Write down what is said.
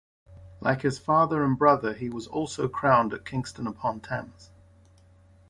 Like his father and brother he was also crowned at Kingston upon Thames.